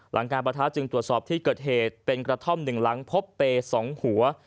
หลังการประทะจึงตรวจสอบที่เกิดเหตุเป็นกระท่อม๑หลังพบเปย์๒หัว